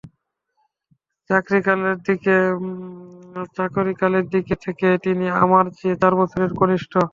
চাকরিকালের দিক থেকে তিনি আমার চেয়ে চার বছরের কনিষ্ঠ।